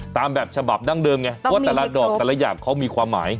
ตามแบบฉบับดั้งเดิมไงเพราะว่าแต่ละดอกแต่ละอย่างเขามีความหมาย